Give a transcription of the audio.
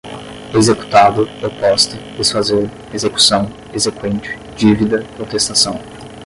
executado, oposta, desfazer, execução, exequente, dívida, contestação